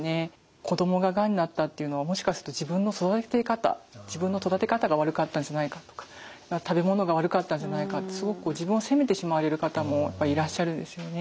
子供ががんになったっていうのをもしかすると自分の育て方が悪かったんじゃないかとか食べ物が悪かったんじゃないかってすごく自分を責めてしまわれる方もいらっしゃるんですよね。